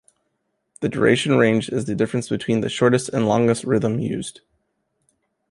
The duration range is the difference between the shortest and longest rhythm used.